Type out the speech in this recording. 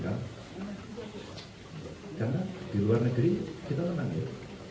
karena di luar negeri kita menang ya